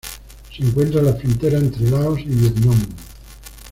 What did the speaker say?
Se encuentra en la frontera entre Laos y Vietnam.